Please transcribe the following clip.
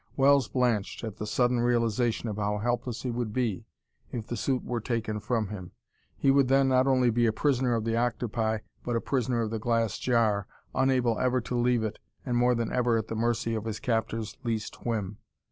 Wells blanched at the sudden realization of how helpless he would be if the suit were taken from him. He would then not only be a prisoner of the octopi, but a prisoner of the glass jar, unable ever to leave it, and more than ever at the mercy of his captor's least whim.